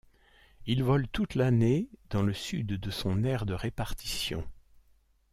Il vole toute l'année dans le sud de son aire de répartition.